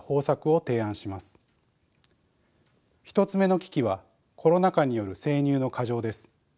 １つ目の危機はコロナ禍による生乳の過剰です。